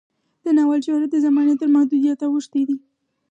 د ناول شهرت د زمانې تر محدودیت اوښتی دی.